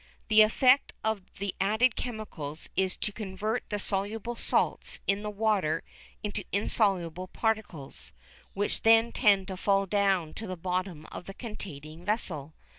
The effect of the added chemicals is to convert the soluble salts in the water into insoluble particles, which then tend to fall down to the bottom of the containing vessel.